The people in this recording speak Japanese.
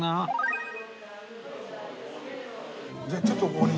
じゃあちょっとここに。